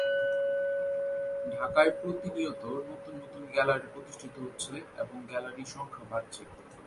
ঢাকায় প্রতিনিয়ত নতুন নতুন গ্যালারি প্রতিষ্ঠিত হচ্ছে এবং গ্যালারির সংখ্যা বাড়ছে।